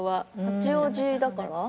八王子だから？